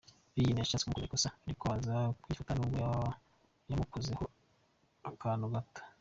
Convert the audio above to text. Virgil yashatse kumukorera ikosa ariko aza kwifata nubwo yamukozeho akantu gato.